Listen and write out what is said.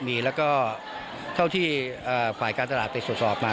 มีแล้วก็เท่าที่ฝ่ายการสลากติดสอบมา